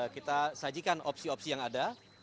kita sajikan opsi opsi yang ada